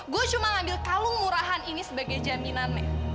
gue cuma ngambil kalung murahan ini sebagai jaminannya